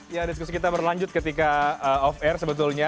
ya diskusi kita berlanjut ketika off air sebetulnya